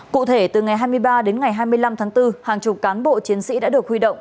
cụ thể từ ngày hai mươi ba đến ngày hai mươi năm tháng bốn hàng chục cán bộ chiến sĩ đã được huy động